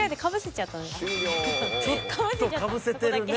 ［ちょっと被せてるね］